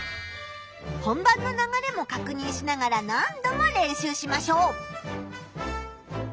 本番の流れもかくにんしながら何度も練習しましょう！